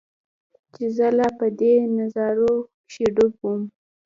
چې زۀ لا پۀ دې نظارو کښې ډوب ووم